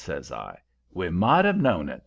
says I. 'We might have known it!'"